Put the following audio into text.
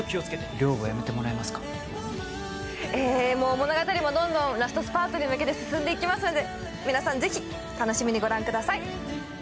物語もどんどんラストスパートに向けて進んでいきますので皆さん、ぜひ楽しみにご覧ください